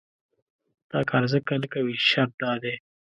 دا کار ځکه نه کوي چې شرط دا دی.